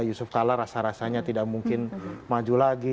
yusuf kalla rasa rasanya tidak mungkin maju lagi